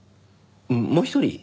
もう一人？